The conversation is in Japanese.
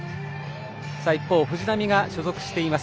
一方、藤浪が所属しています